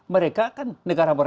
mereka kan negara maju